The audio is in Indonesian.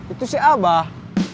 itu si abah